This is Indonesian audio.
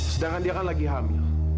sedangkan dia kan lagi hamil